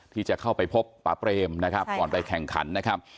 ที่จะเข้าไปพบป๊าเปรมนะครับก่อนไปแข่งขันนะครับ